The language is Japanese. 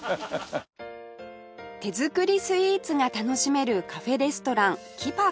手作りスイーツが楽しめるカフェレストランキバコ